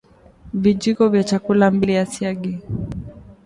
vijiko vya chakula mbili vya siagi